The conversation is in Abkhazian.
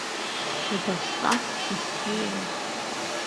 Убасҟак иссирын.